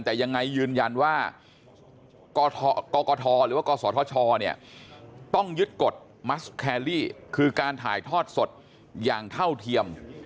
แต่ยังไงยืนยันว่ากคหรือว่ากศต้องยึดกฎคือการถ่ายทอดสดอย่างเท่าเทียม